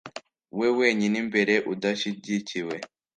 we wenyine, imbere, udashyigikiwe,